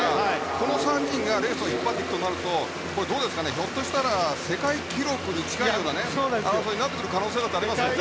この３人がレースを引っ張るとなるとひょっとしたら世界記録に近いような争いになる可能性もありますね。